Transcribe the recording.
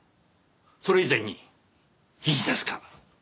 それ以前にいいですか？